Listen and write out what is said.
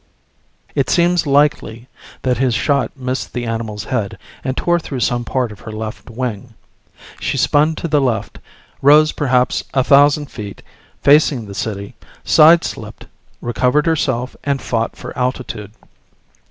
It seems likely that his shot missed the animal's head and tore through some part of her left wing. She spun to the left, rose perhaps a thousand feet, facing the city, sideslipped, recovered herself and fought for altitude.